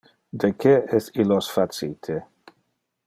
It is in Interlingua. De que es illos facite?